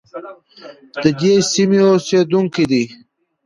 د دې سیمې اوسیدونکي دي.